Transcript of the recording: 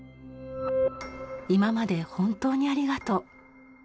今まで本当にありがとう。